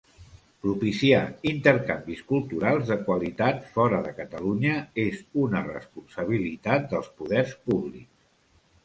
Propiciar intercanvis culturals de qualitat fora de Catalunya és una responsabilitat dels poders públics.